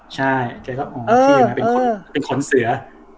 ใช่เป็นขนเสือ